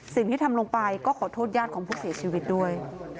สิ่งที่ทำลงไปก็ขอโทษญาติของผู้เสียชีวิตด้วย